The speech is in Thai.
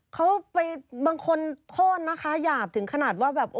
เขาไปบางคนโทษนะคะหยาบถึงขนาดว่าแบบ